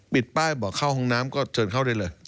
ป้ายบอกเข้าห้องน้ำก็เชิญเข้าได้เลย